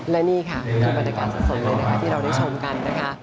และนี่ค่ะคือบรรยากาศสดเลยนะคะที่เราได้ชมกันนะคะ